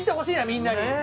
みんなに。